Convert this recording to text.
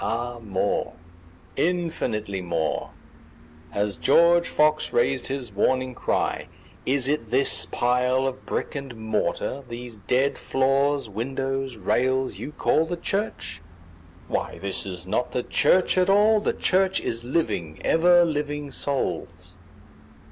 Ah more—infinitely more;(As George Fox rais'd his warning cry, "Is it this pile of brick and mortar—these dead floors, windows, rails—you call the church? Why this is not the church at all—the Church is living, ever living Souls.")